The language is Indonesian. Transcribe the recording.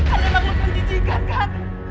ada langit menjijikankan